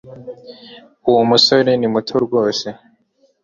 uwo musore ni muto rwose